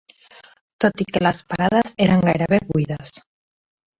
...tot i que les parades eren gairebé buides